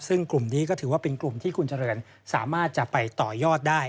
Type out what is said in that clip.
ซึ่งกลุ่มนี้ก็ถือว่าเป็นกลุ่มที่คุณเจริญสามารถจะไปต่อยอดได้